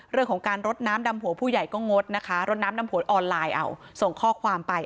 เรื่องของการรดน้ำดำหัวผู้ใหญ่ก็งดนะคะรดน้ำดำหัวออนไลน์เอาส่งข้อความไป